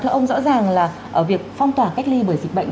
thưa ông rõ ràng là việc phong tỏa cách ly bởi dịch bệnh